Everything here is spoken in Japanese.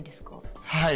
はい。